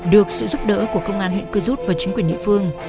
được sự giúp đỡ của công an huyện cư rút và chính quyền địa phương